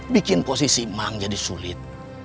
bikin posisi mang jadi sulit